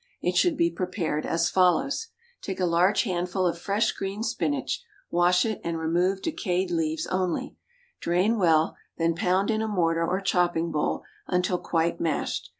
It should be prepared as follows: Take a large handful of fresh green spinach, wash it, and remove decayed leaves only; drain well, then pound in a mortar or chopping bowl until quite mashed.